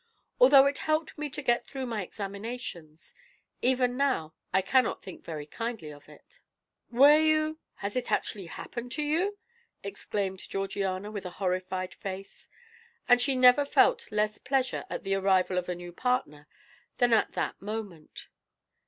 "Although it helped me to get through my examinations, even now I cannot think very kindly of it." "Were you has it actually happened to you?" exclaimed Georgiana, with a horrified face; and she never felt less pleasure at the arrival of a new partner than at that moment.